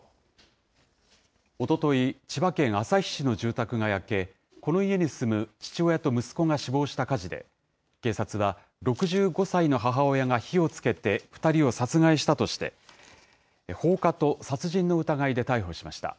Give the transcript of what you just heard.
おととい、千葉県旭市の住宅が焼け、この家に住む父親と息子が死亡した火事で、警察は、６５歳の母親が火をつけて、２人を殺害したとして、放火と殺人の疑いで逮捕しました。